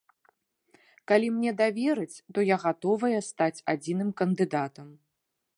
Калі мне давераць, то я гатовая стаць адзіным кандыдатам.